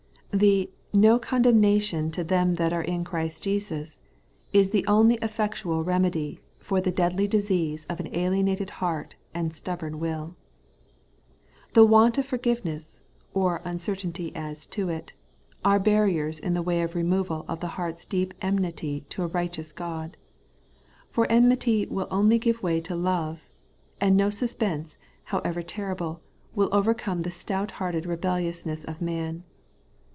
The 'no condemnation to them that are in Christ Jesus' is the only effectual re medy for the deadly disease of an alienated heart and stubborn wilL The want of forgiveness, or uncertainty as to it, are barriers in the way of the removal of the heart's deep enmity to a righteous God. For enmity will only give way to love ; and no suspense, however terrible, will overcome the stout hearted rebellious ness of man.